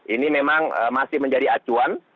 ini memang masih menjadi acuan